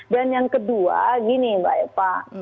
dan yang kedua gini mbak epa